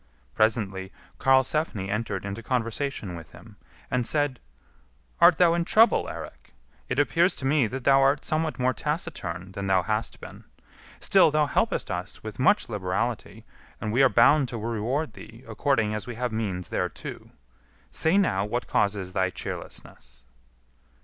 Presently Karlsefni entered into conversation with him, and said, "Art thou in trouble, Eirik? it appears to me that thou art somewhat more taciturn than thou hast been; still thou helpest us with much liberality, and we are bound to reward thee according as we have means thereto. Say now what causes thy cheerlessness."